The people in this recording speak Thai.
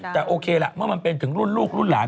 แต่โอเคล่ะเมื่อมันเป็นถึงรุ่นลูกรุ่นหลาน